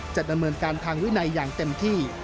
จะดำเนินการทางวินัยอย่างเต็มที่